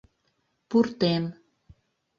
Пуртем.